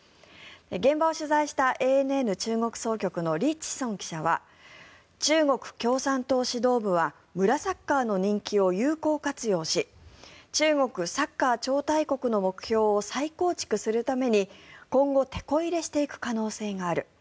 現場を取材したＡＮＮ中国総局のリ・チソン記者は中国共産党指導部は村サッカーの人気を有効活用し中国サッカー超大国の目標を再構築するために今後、てこ入れしていく可能性がある。